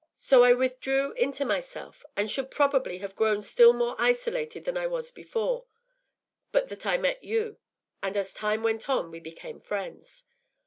So I withdrew into myself, and should probably have grown still more isolated than I was before, but that I met you, and, as time went on, we became friends.